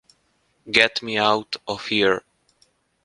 Get Me Out of Here!